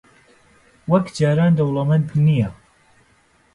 وەک جاران دەوڵەمەند نییە.